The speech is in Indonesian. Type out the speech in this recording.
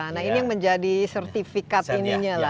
nah ini yang menjadi sertifikat ini